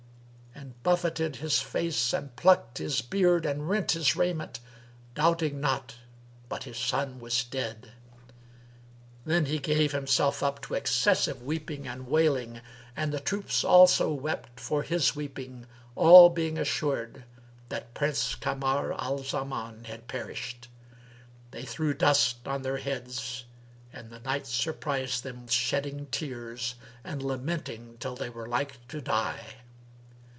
and buffeted his face and plucks his beard and rent his raiment, doubting not but his son was dead. Then he gave himself up to excessive weeping and wailing, and the troops also wept for his weeping, all being assured that Prince Kamar al Zaman had perished. They threw dust on their heads, and the night surprised them shedding tears and lamenting till they were like to die.